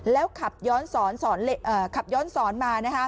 แล้วขับย้อนศรมา